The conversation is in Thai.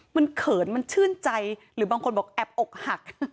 มันเขินมันชื่นใจหรือบางคนบอกแอบอกหัก